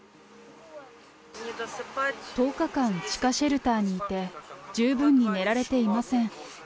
１０日間地下シェルターにいて十分に寝られていません。